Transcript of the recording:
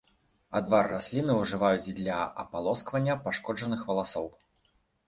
Адвар расліны ўжываюць для апалосквання пашкоджаных валасоў.